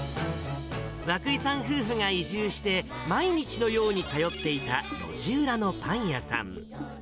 涌井さん夫婦が移住して、毎日のように通っていた路地裏のパン屋さん。